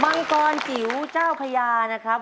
มังกรจิ๋วเจ้าพญานะครับ